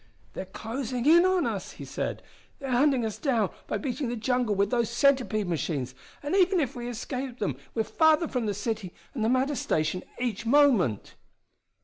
"They're closing in on us!" he said. "They're hunting us down by beating the jungle with those centipede machines, and even if we escape them we're getting farther from the city and the matter station each moment!"